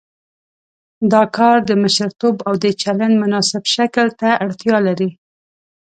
دا کار د مشرتوب او د چلند مناسب شکل ته اړتیا لري.